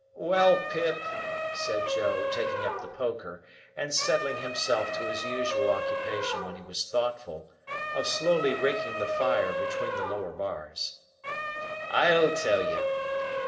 "Well, Pip," said Joe, taking up the poker, and settling himself to his usual occupation when he was thoughtful, of slowly raking the fire between the lower bars; "I'll tell you.